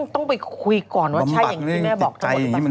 ต้องไปคุยก่อนว่าใช่อย่างที่แม่บอก